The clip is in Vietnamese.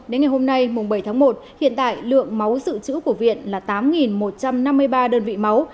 đến ngày hôm nay bảy tháng một hiện tại lượng máu dự trữ của viện là tám một trăm năm mươi ba đơn vị máu